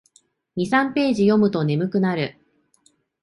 二三ページ読むと眠くなる